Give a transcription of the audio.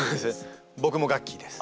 僕もガッキーです。